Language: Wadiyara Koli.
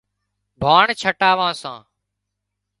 ڀاڻ ڇٽاوان سان